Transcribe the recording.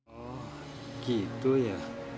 oh gitu ya